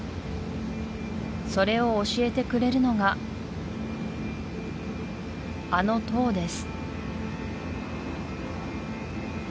それを教えてくれるのがあの塔です